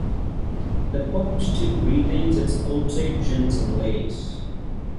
The pub still retains its outside gents' and ladies'.